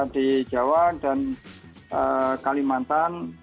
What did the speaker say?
di jawa dan kalimantan